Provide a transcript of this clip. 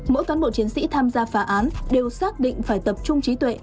mỗi cán bộ chiến sĩ tham gia phá án đều xác định phải tập trung trí tuệ